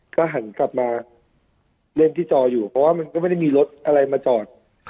ก็หันกลับมาเล่นที่จออยู่เพราะว่ามันก็ไม่ได้มีรถอะไรมาจอด